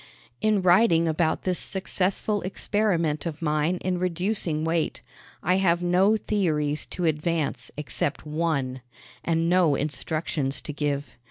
In writing about this successful experiment of mine in reducing weight I have no theories to advance except one, and no instructions to give.